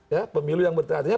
ya pemilu yang artinya